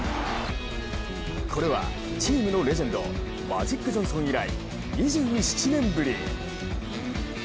これはチームのレジェンドマジック・ジョンソン以来２７年ぶり。